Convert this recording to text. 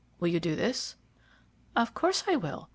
Will you do this?" "Of course I will.